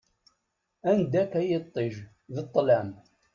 Anda-k a yiṭij, d ṭṭlam!